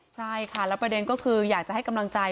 ใช่ค่ะแล้วประเด็นก็คืออยากจะให้กำลังใจ